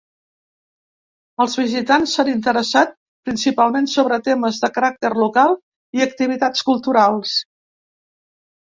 Els visitants s’han interessat principalment sobre temes de caràcter local i activitats culturals.